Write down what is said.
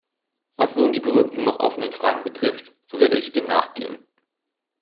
Was nun die berühmten noch offenen Fragen betrifft, so werde ich dem nachgehen.